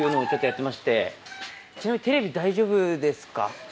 ちなみにテレビ大丈夫ですか？